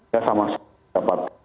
ya sama sekali dapat